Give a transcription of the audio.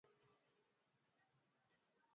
Baleine eko munene ku tembo